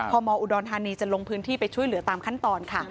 มอุดรธานีจะลงพื้นที่ไปช่วยเหลือตามขั้นตอนค่ะ